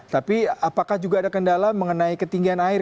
tapi apakah juga ada kendala mengenai ketinggian air